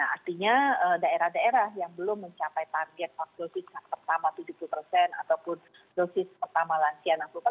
artinya daerah daerah yang belum mencapai target dosis pertama tujuh puluh ataupun dosis pertama lansia enam puluh